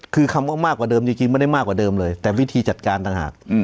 คือคำว่ามากกว่าเดิมจริงไม่ได้มากกว่าเดิมเลยแต่วิธีจัดการต่างหาก